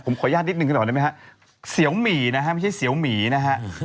ผมขออนุญาตนิดหนึ่งก่อนได้ไหมฮะเสียวหมีนะฮะไม่ใช่เสียวหมีนะฮะ